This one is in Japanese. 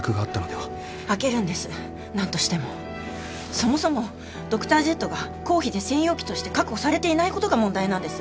そもそもドクタージェットが公費で専用機として確保されていないことが問題なんです。